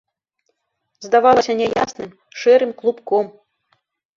Здавалася няясным, шэрым клубком.